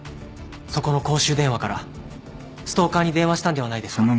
そこの公衆電話からストーカーに電話したんではないですか？